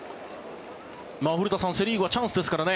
古田さん、セ・リーグはチャンスですからね。